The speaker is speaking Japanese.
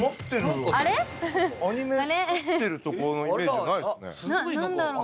アニメ作ってる所のイメージじゃないですね。